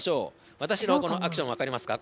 私のこのアクション、分かりますか？